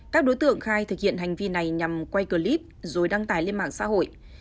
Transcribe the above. các đối tượng khai thực hiện hành vi này nhằm quay clip rồi đăng tải lên mạng xã hội